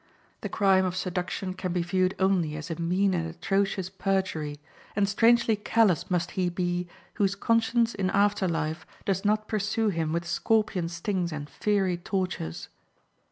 The crime of seduction can be viewed only as a mean and atrocious perjury, and strangely callous must he be whose conscience in after life does not pursue him with scorpion stings and fiery tortures.